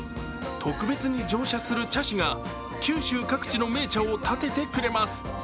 特別に乗車する茶師が九州各地の銘茶をたててくれます。